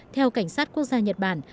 theo cảnh sát quốc gia nhật bản